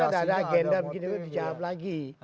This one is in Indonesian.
enggak ada agenda begitu dijawab lagi